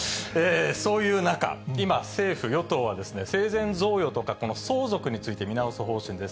そういう中、今、政府・与党は、生前贈与とか、この相続について見直す方針です。